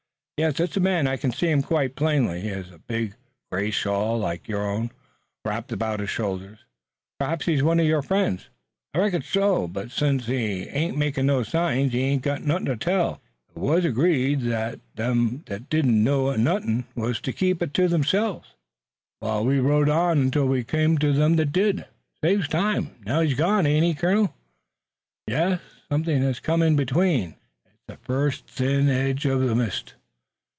"Yes, it's a man. I can see him quite plainly. He has a big, gray shawl like your own, wrapped around his shoulders. Perhaps he's one of your friends." "I reckon so, but sence he ain't makin' no signs he ain't got nuthin' to tell. It wuz agreed that them that didn't know nuthin' wuz to keep it to theirselves while we rode on until we come to them that did. It saves time. Now he's gone, ain't he, colonel?" "Yes, something has come in between." "It's the first thin edge uv the mist.